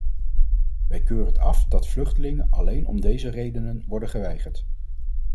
Wij keuren het af dat vluchtelingen alleen om deze redenen worden geweigerd.